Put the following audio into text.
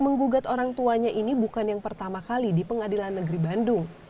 menggugat orang tuanya ini bukan yang pertama kali di pengadilan negeri bandung